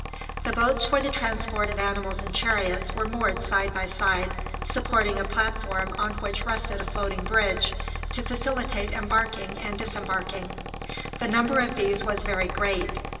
The boats for the transport of animals and chariots were moored side by side, supporting a platform on which rested a floating bridge to facilitate embarking and disembarking. The number of these was very great.